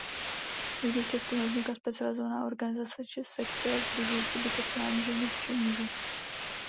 Nikdy v Česku nevznikla specializovaná organizace či sekce sdružující bisexuální ženy či muže.